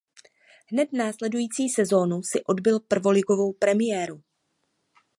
Hned následující sezonu si odbyl prvoligovou premiéru.